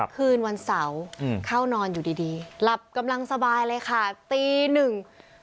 คืนวันเสาร์อืมเข้านอนอยู่ดีดีหลับกำลังสบายเลยค่ะตีหนึ่ง